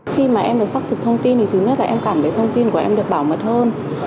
khi mà em được xác thực thông tin thì thứ nhất là em cảm thấy thông tin của em được bảo mật hơn